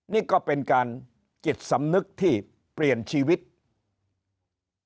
นี่ก็เป็นการจิตสำนึกที่เปลี่ยนชีวิตของเด็กอีกหลายคนที่อยากจะลุกขึ้นมานี่แหละครับ